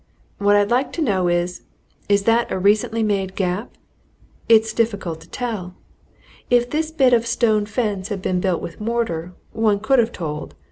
What I'd like to know is is that a recently made gap? It's difficult to tell. If this bit of a stone fence had been built with mortar, one could have told.